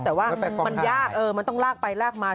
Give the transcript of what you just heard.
แต่ว่ามันยากมันต้องลากไปลากมา